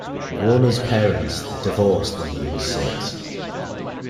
Warner's parents divorced when he was six.